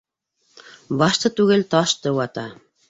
Башты түгел, ташты вата